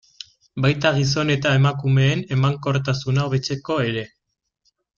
Baita gizon eta emakumeen emankortasuna hobetzeko ere.